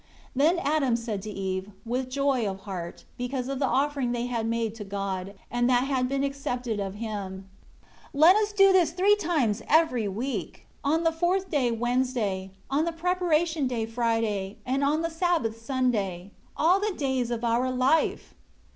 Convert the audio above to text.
20 Then Adam said to Eve, with joy of heart, because of the offering they had made to God, and that had been accepted of Him, "Let us do this three times every week, on the fourth day Wednesday, on the preparation day Friday, and on the Sabbath Sunday, all the days of our life."